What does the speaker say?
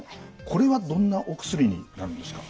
これはどんなお薬になるんですか？